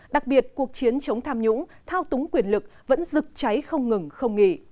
đặc biệt cuộc chiến chống tham nhũng thao túng quyền lực vẫn rực cháy không ngừng không nghỉ